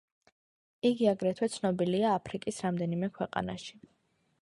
იგი აგრეთვე ცნობილია აფრიკის რამდენიმე ქვეყანაში.